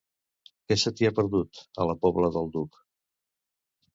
Què se t'hi ha perdut, a la Pobla del Duc?